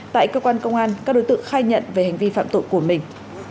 tại cơ quan công an các đối tượng khai nhận về hành vi phạm tội của mình